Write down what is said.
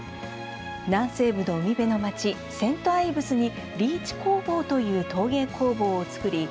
南西部の海辺の町セントアイブスにリーチ工房という陶芸工房を作り